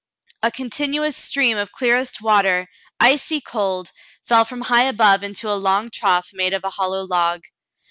A continuous stream of clearest water, icy cold, fell from high above into a long trough made of a hollow log.